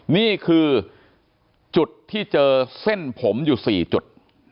นี่คือจุดที่เจอเส้นผมอยู่๔จุด